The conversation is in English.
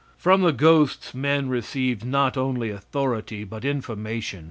From the ghosts men received not only authority but information.